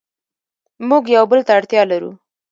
موږ یو بل ته اړتیا لرو.